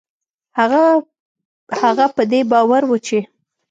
هغه په دې باور و چې